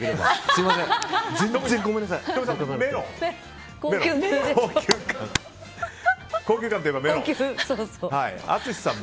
すみません。